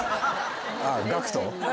ああＧＡＣＫＴ？